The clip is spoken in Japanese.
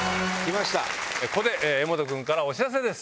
ここで柄本君からお知らせです。